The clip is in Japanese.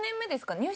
入社。